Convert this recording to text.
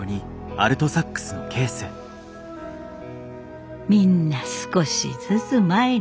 みんな少しずつ前に進みたい。